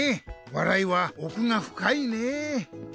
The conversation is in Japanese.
笑いはおくがふかいねえ。